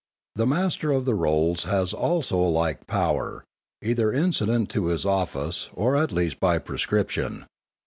The Master of the Rolls has also a like power, either incident to his office, or at least by prescription.